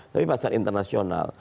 tapi pasar internasional